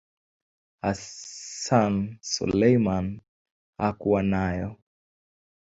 Hassan Suleiman hakuwa nayo.